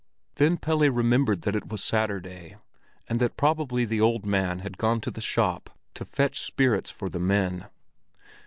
Then Pelle remembered that it was Saturday, and that probably the old man had gone to the shop to fetch spirits for the men.